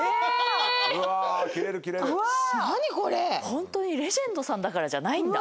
ホントにレジェンドさんだからじゃないんだ。